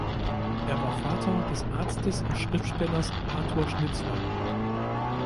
Er war Vater des Arztes und Schriftstellers Arthur Schnitzler.